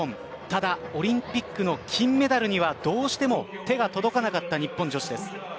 ただオリンピックの金メダルにはどうしても手が届かなかった日本女子です。